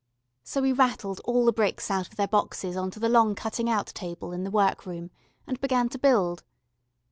So we rattled all the bricks out of their boxes on to the long cutting out table in the work room and began to build.